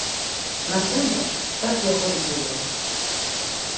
Насамрэч, так яго і было.